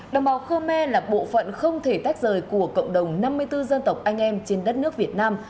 đồng bào khơ me là bộ phận không thể tách rời của cộng đồng năm mươi bốn dân tộc anh em trên đất nước việt nam